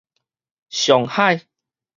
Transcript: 上海